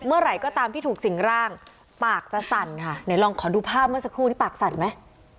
เมื่อไหร่ก็ตามที่ถูกสิ่งร่างปากจะสั่นค่ะไหนลองขอดูภาพเมื่อสักครู่นี้ปากสั่นไหม